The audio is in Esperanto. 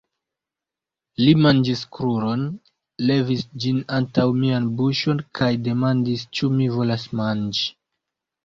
Li manĝis kruron, levis ĝin antaŭ mian buŝon kaj demandis ĉu mi volas manĝi.